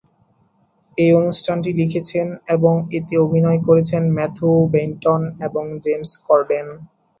এই অনুষ্ঠানটি লিখেছেন, এবং এতে অভিনয় করেছেন ম্যাথু বেইনটন এবং জেমস করডেন।